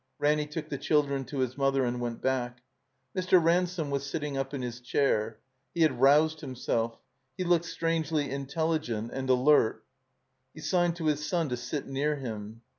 Ranny took the children to his mother and went back. Mr. Ransome was sitting up in his chair. He had roused himself. He looked strangely in telligent and alert. He signed to his son to sit near him.